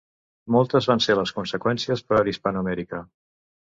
Moltes van ser les conseqüències per Hispanoamèrica.